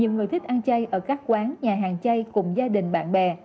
nhiều người thích ăn chay ở các quán nhà hàng chay cùng gia đình bạn bè